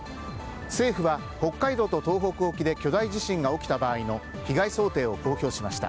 政府は北海道と東北沖で巨大地震が起きた場合の被害想定を公表しました。